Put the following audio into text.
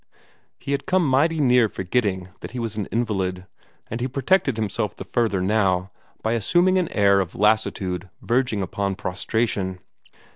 He had come mighty near forgetting that he was an invalid, and he protected himself the further now by assuming an air of lassitude verging upon prostration.